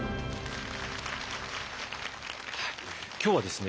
今日はですね